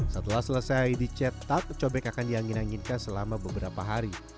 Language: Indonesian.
setelah selesai dicetak cobek akan diangginkan selama beberapa hari